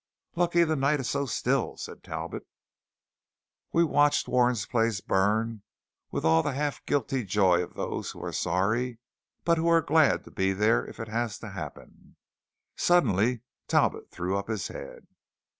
"Lucky the night is so still," said Talbot. We watched Warren's place burn with all the half guilty joy of those who are sorry; but who are glad to be there if it has to happen. Suddenly Talbot threw up his head.